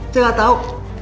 saya nggak tahu